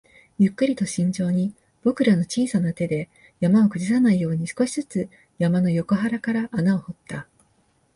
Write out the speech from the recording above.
ゆっくりと慎重に、僕らの小さな手で山を崩さないように、少しずつ山の横腹から穴を掘った